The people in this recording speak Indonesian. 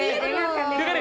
lu bisa gak gaji lu sama gety